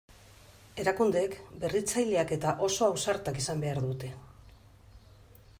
Erakundeek berritzaileak eta oso ausartak izan behar dute.